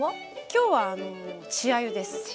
今日は稚あゆです。